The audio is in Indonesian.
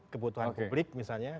kebutuhan publik misalnya